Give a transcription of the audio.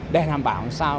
để làm bảo sao